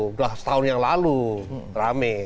sudah setahun yang lalu rame